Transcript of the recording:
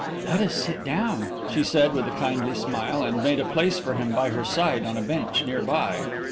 "Let us sit down," she said, with a kindly smile, and made a place for him by her side on a bench near by.